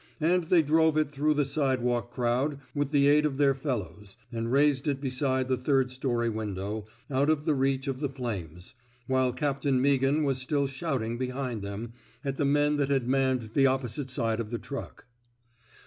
And they drove it through the sidewalk crowd with the aid of their fellows, and raised it beside the third story window, out of the reach of the flames, while Captain Meaghan was still shouting behind them at the men that had manned the opposite side of the truck.